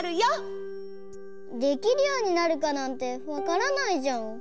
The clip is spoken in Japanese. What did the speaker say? できるようになるかなんてわからないじゃん。